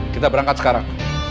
kita berangkat sekarang